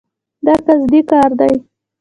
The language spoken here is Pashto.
دا قصدي کار دی.